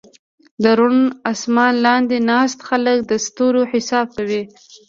د روڼ اسمان لاندې ناست خلک د ستورو حساب کوي.